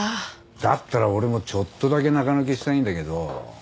だったら俺もちょっとだけ中抜けしたいんだけど。